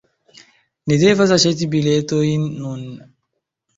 Ni devas aĉeti biletojn nun